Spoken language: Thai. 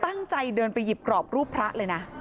ตั้งใจเดินไปหยิบกรอบรูปพระเลยนะ